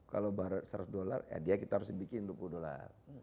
kalau barat seratus dollar ya dia kita harus bikin dua puluh dolar